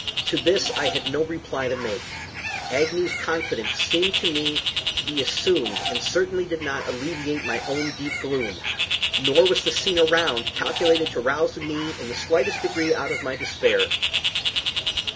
To this I had no reply to make. Agnew's confidence seemed to me to be assumed, and certainly did not alleviate my own deep gloom, nor was the scene around calculated to rouse me in the slightest degree out of my despair.